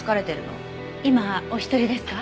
今お一人ですか？